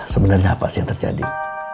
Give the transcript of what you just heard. sebenarnya apa sih yang terjadi